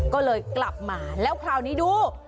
ก็เลยกลับมาแล้วคราวนี้ดู